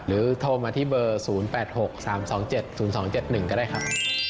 โทรมาที่เบอร์๐๘๖๓๒๗๐๒๗๑ก็ได้ครับ